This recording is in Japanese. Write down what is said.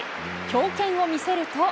強肩を見せると。